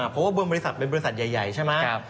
เพราะว่าบริษัทเป็นบริษัทใหญ่ใช่ไหม